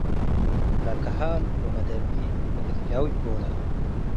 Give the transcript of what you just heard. ለከሃል ወመደቢ እግል ጃውጅ ቦለ